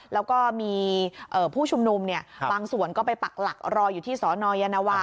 แล้วก็มีผู้ชุมนุมบางส่วนก็ไปปักหลักรออยู่ที่สนยานวา